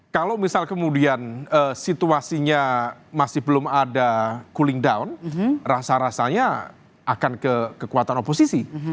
kalau misal kemudian situasinya masih belum ada cooling down rasa rasanya akan ke kekuatan oposisi